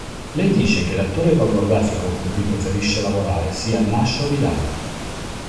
Lei dice che l'attore pornografico con cui preferisce lavorare sia Nacho Vidal.